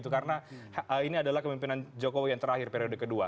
karena ini adalah kemimpinan jokowi yang terakhir periode kedua